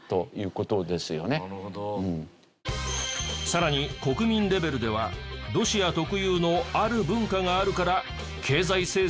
さらに国民レベルではロシア特有のある文化があるから経済制裁に強いとも。